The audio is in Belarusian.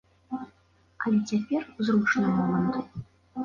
Але цяпер зручны момант.